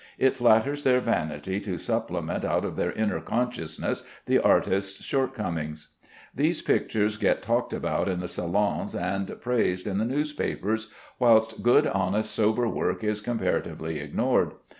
It flatters their vanity to supplement out of their inner consciousness the artist's short comings. These pictures get talked about in the salons and praised in the newspapers, whilst good, honest, sober work is comparatively ignored.